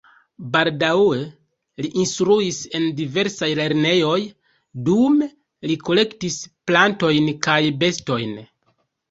Baldaŭe li instruis en diversaj lernejoj, dume li kolektis plantojn kaj bestojn.